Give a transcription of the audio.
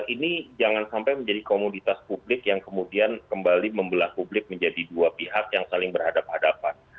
ini jangan sampai menjadi komoditas publik yang kemudian kembali membelah publik menjadi dua pihak yang saling berhadapan hadapan